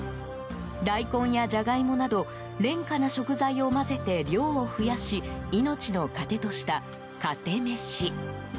大根やジャガイモなど廉価な食材を混ぜて量を増やし命の糧とした、かて飯。